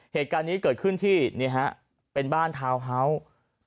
เหตุการณ์นี้เกิดขึ้นที่นี่ฮะเป็นบ้านทาวน์เฮาส์